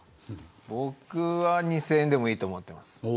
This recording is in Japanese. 僕は２０００円でもいいと思ってます。